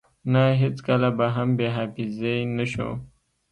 نه هیڅکله به هم بی حافظی نشو